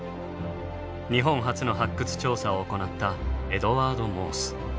日本初の発掘調査を行ったエドワード・モース。